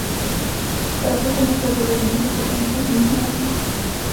Para poco más tarde redimirse cortándose a sí mismo la lengua.